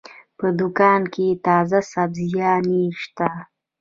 په دوکان کې تازه سبزيانې شته.